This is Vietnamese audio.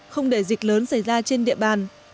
không để dịch lớn xảy ra trên địa bàn